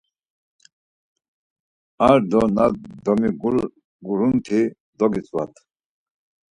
Ar do na domigurunti dogitzvat.